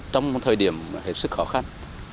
trong một thời điểm hết sức khó khăn